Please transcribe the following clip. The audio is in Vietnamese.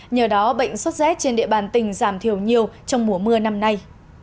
nhờ đó bệnh xuất xét trên địa bàn tỉnh giảm thiểu nhiều trong mùa mưa năm nay